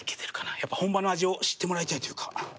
やっぱ本場の味を知ってもらいたいというか。